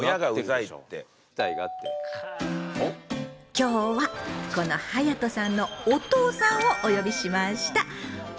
今日はこのはやとさんのお父さんをお呼びしました。